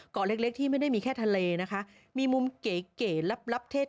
เกาะเล็กที่ไม่ได้มีแค่ทะเลนะคะ